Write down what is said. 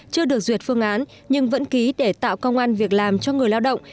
chưa được duyệt phương án nhưng vẫn ký để tạo công an việc làm cho người lao động